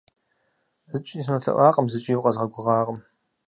ЗыкӀи сынолъэӀуакъым, зыкӀи укъэзгъэгугъакъым!